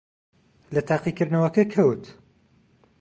لە تاقیکردنەوەکە کەوت.